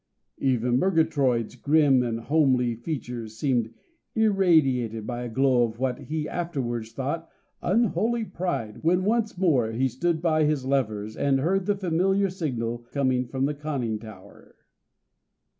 Even Murgatroyd's grim and homely features seemed irradiated by a glow of what he afterwards thought unholy pride when he once more stood by his levers and heard the familiar signal coming from the conning tower.